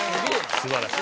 素晴らしい！